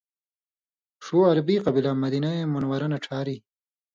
ݜُو عربی قبیلہ مدینہ منوّرہ نہ ڇھاری